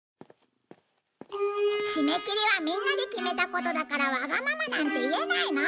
締め切りはみんなで決めたことだからわがままなんて言えないの！